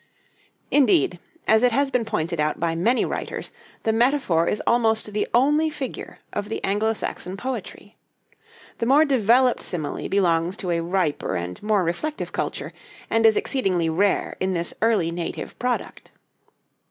Indeed, as it has been pointed out by many writers, the metaphor is almost the only figure of the Anglo Saxon poetry. The more developed simile belongs to a riper and more reflective culture, and is exceedingly rare in this early native product.